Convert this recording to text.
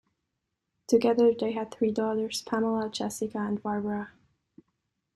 Together they had three daughters, Pamela, Jessica and Barbara.